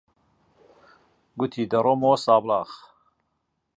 گوتی دەڕۆمەوە سابڵاغ.